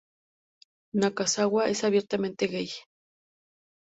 Nakazawa es abiertamente gay.